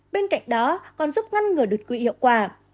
bên cạnh đó còn giúp ngăn ngừa đột quỵ hiệu quả